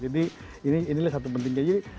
jadi inilah satu pentingnya